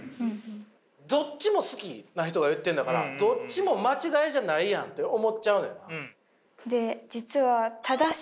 どっちも好きな人が言ってんだからどっちも間違いじゃないやんって思っちゃうのよ。